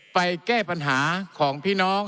แก้ปัญหาของพี่น้อง